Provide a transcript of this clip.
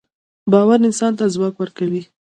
باورانسان ته ځواک ورکوي